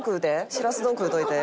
しらす丼食うといて。